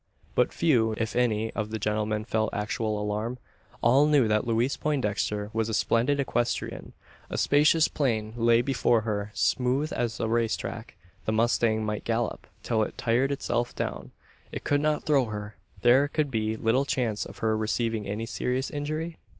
But few, if any, of the gentlemen felt actual alarm. All knew that Louise Poindexter was a splendid equestrian; a spacious plain lay before her, smooth as a race track; the mustang might gallop till it tired itself down; it could not throw her; there could be little chance of her receiving any serious injury?